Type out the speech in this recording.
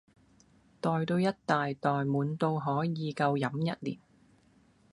袋到一大袋滿到可以夠飲一年